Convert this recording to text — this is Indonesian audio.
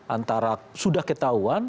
antara sudah ketahuan